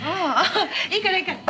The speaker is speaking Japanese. いいからいいから。